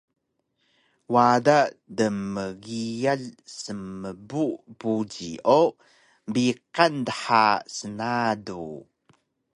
Wada dmgiyal smbu buji o biqan dha snadu